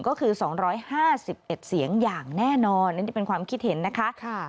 ก็คือ๒๕๑เสียงอย่างแน่นอนอันนี้เป็นความคิดเห็นนะคะ